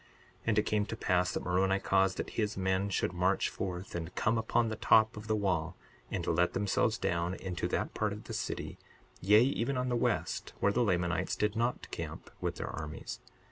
62:22 And it came to pass that Moroni caused that his men should march forth and come upon the top of the wall, and let themselves down into that part of the city, yea, even on the west, where the Lamanites did not camp with their armies.